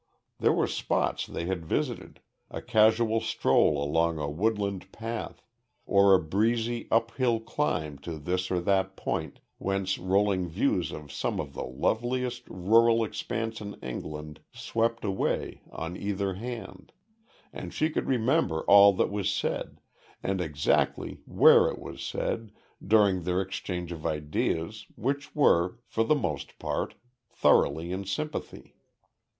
There were spots they had visited a casual stroll along a woodland path, or a breezy, uphill climb to this or that point whence rolling views of some of the loveliest rural expanse in England swept away on either hand; and she could remember all that was said, and exactly where it was said, during their exchange of ideas, which were, for the most part, thoroughly in sympathy.